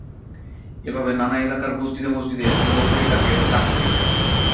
এভাবে নানা এলাকার মসজিদে মসজিদে লোকে তাকে ডাকতে থাকে।